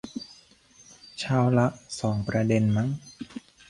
เช้าละสองประเด็นมั้ง